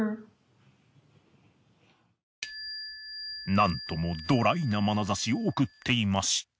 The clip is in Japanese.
なんともドライなまなざしを送っていました。